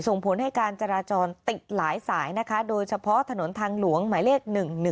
ส่งผลให้การจราจรติดหลายสายนะคะโดยเฉพาะถนนทางหลวงหมายเลข๑๑๒